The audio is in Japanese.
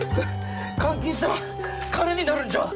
換金したら金になるんちゃう？